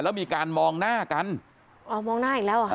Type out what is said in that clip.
แล้วมีการมองหน้ากันอ๋อมองหน้าอีกแล้วเหรอคะ